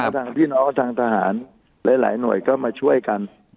ทางพี่น้องทางทหารหลายหน่วยก็มาช่วยกัน